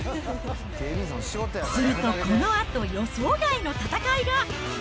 するとこのあと、予想外の戦いが。